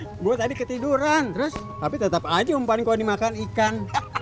hehehe gue tadi ketiduran terus tapi tetap aja umpan kau dimakan ikan